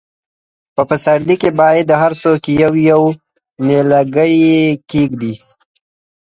په پسرلي کې باید هر څوک یو، یو نیالګی کښېږدي.